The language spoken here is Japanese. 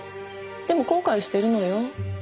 でも後悔してるのよ。